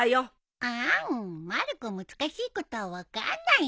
あんまる子難しいことは分かんないよ。